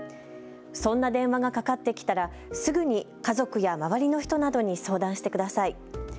そんな電話がかかってきたらすぐに家族や周りの人などに相談してください。